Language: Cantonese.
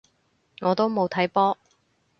我都冇睇波